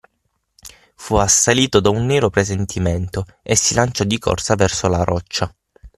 Fu assalito da un nero presentimento e si lanciò di corsa verso la roccia.